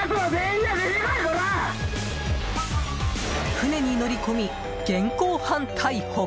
船に乗り込み現行犯逮捕。